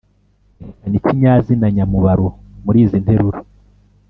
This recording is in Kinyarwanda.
erekana ikinyazina nyamubaro muri izi nteruro